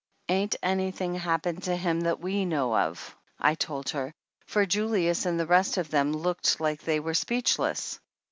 "Ain't anything happened to him that zee know of," I told her, for Julius and the rest of them looked like they were speechless.